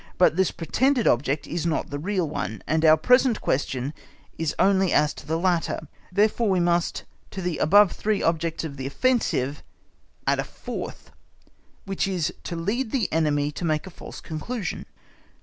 But this pretended object is not the real one, and our present question is only as to the latter; therefore, we must to the above three objects of the offensive further add a fourth, which is to lead the enemy to make a false conclusion.